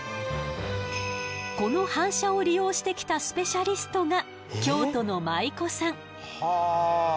この反射を利用してきたスペシャリストが京都のはあ。